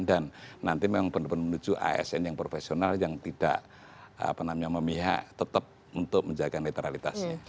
dan nanti memang penuh penuh menuju asn yang profesional yang tidak apa namanya memihak tetap untuk menjaga netralitasnya